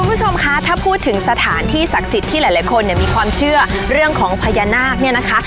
คุณผู้ชมคะถ้าพูดถึงสถานที่ศักดิ์สิทธิ์ที่หลายคนเนี่ยมีความเชื่อเรื่องของพญานาคเนี่ยนะคะ